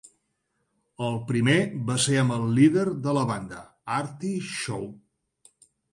El primer va ser amb el líder de la banda Artie Shaw.